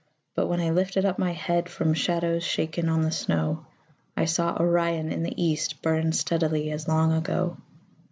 But when I lifted up my head From shadows shaken on the snow, I saw Orion in the east Burn steadily as long ago.